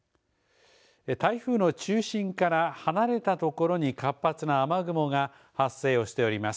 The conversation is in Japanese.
台風の中心から離れたところに活発な雨雲が発生をしております。